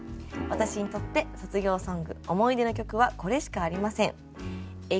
私にとって卒業ソング思い出の曲はこれしかありません。